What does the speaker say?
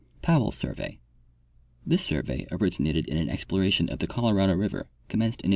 Poivell Survey. — This survey originated in an exploration of the Colorado river, commenced in 1867.